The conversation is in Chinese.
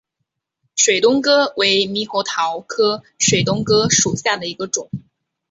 水东哥为猕猴桃科水东哥属下的一个种。